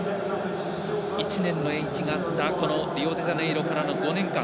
１年の延期があったリオデジャネイロパラから５年間。